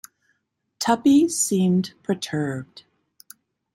Tuppy seemed perturbed.